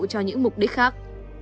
cho những mục đích khác